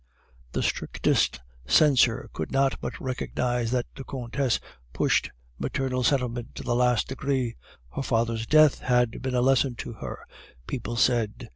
"The strictest censor could not but recognize that the Countess pushed maternal sentiment to the last degree. Her father's death had been a lesson to her, people said.